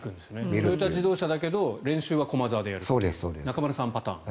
トヨタ自動車だけど練習は駒澤でやるという中村さんパターン。